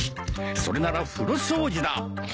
それなら風呂掃除だ。